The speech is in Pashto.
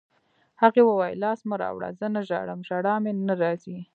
هغې وویل: لاس مه راوړه، زه نه ژاړم، ژړا مې نه راځي.